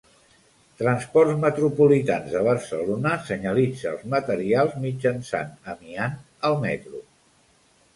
Transports Metropolitans de Barcelona senyalitza els materials mitjançant amiant al metro.